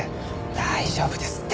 大丈夫ですって。